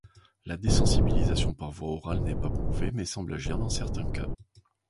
La désensibilisation par voie orale n'est pas prouvée mais semble agir dans certains cas.